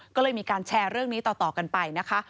ก็เลยมีการแชร์เรื่องนี้ต่อกันไปนะคะ